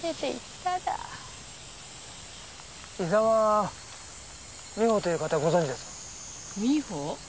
伊沢美穂という方ご存じですか？